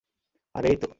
আরে এই তো!